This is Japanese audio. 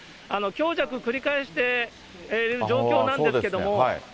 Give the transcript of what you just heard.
強弱繰り返している状況なんですけども。